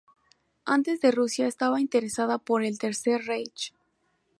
Antes de Rusia estaba interesada por el Tercer Reich.